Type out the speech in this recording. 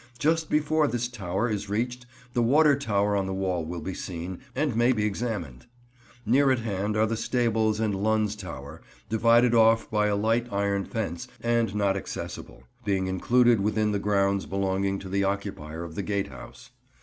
Just before this tower is reached the Water Tower on the wall will be seen, and may be examined. Near at hand are the Stables and Lunn's Tower, divided off by a light iron fence and not accessible; being included within the grounds belonging to the occupier of the Gatehouse.